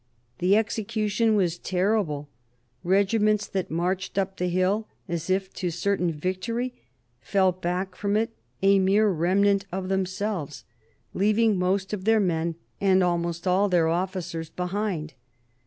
The execution was terrible; regiments that marched up the hill as if to certain victory fell back from it a mere remnant of themselves, leaving most of their men and almost all their officers behind.